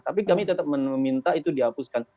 tapi kami tetap meminta itu dihapuskan